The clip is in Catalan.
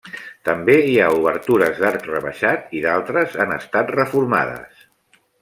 També hi ha obertures d'arc rebaixat i d'altres han estat reformades.